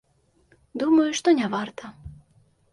Думаю, што не варта.